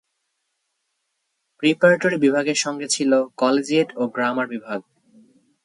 Preparatory বিভাগের সঙ্গে ছিল কলেজিয়েট ও গ্রামার বিভাগ।